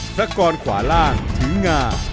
พระกรขวาล่างถึงงา